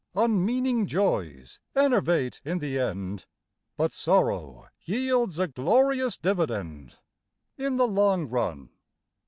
Unmeaning joys enervate in the end, But sorrow yields a glorious dividend In the long run.